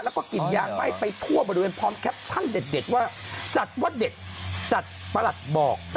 แล้วก็กินยาไหม้ไปทั่วบริเวณพร้อมแคปชั่นเด็ดว่าจัดว่าเด็ดจัดประหลัดบอก